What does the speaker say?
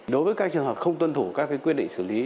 đối với các trường hợp không tuân thủ các quy định xử lý